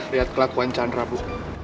lihat kelakuan chandra bu